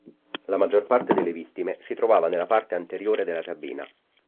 La maggior parte delle vittime si trovava nella parte anteriore della cabina.